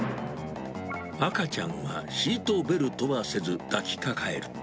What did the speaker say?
赤ちゃんはシートベルトはせず、抱きかかえる。